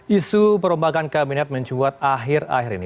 isu perombakan kabinet mencuat akhir akhir ini